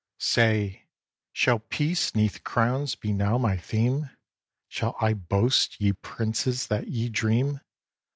Say! shall peace 'neath crowns be now my theme? Shall I boast, ye princes, that ye dream?